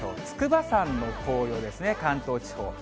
筑波山の紅葉ですね、関東地方。